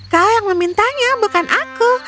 kau yang memintanya bukan aku